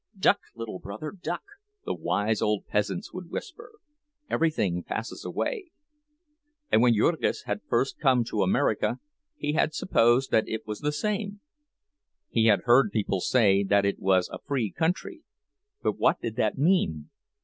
"Duck, little brother, duck," the wise old peasants would whisper; "everything passes away." And when Jurgis had first come to America he had supposed that it was the same. He had heard people say that it was a free country—but what did that mean?